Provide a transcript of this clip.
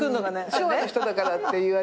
「昭和の人だから」って言われる。